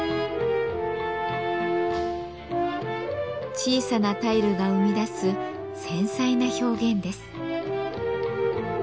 小さなタイルが生み出す繊細な表現です。